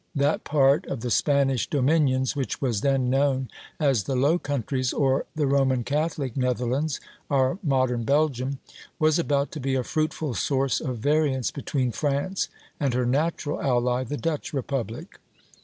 That part of the Spanish dominions which was then known as the Low Countries, or the Roman Catholic Netherlands (our modern Belgium), was about to be a fruitful source of variance between France and her natural ally, the Dutch Republic.